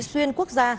xuyên quốc gia